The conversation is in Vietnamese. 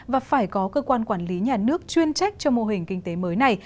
và phải có cơ quan quản lý nhà nước chuyên trách cho mô hình kinh tế mới này